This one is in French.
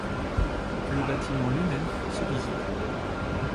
Le bâtiment lui-même se visite.